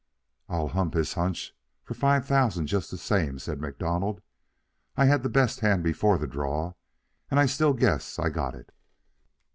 "I hump his hunch for five thousand just the same," said MacDonald. "I had the best hand before the draw, and I still guess I got it."